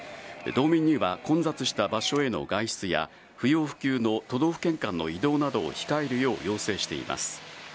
道民には混雑した場所への外出や不要不急の都道府県間の移動などを控えるよう要請しています。